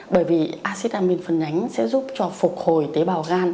bởi vì acid amin phân nhánh sẽ giúp cho phục hồi tế bào gan